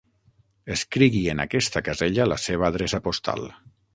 Escrigui en aquesta casella la seva adreça postal.